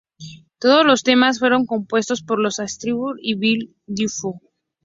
Todos los temas fueron compuestos por Ian Astbury y Billy Duffy.